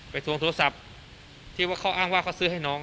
ทวงโทรศัพท์ที่ว่าเขาอ้างว่าเขาซื้อให้น้อง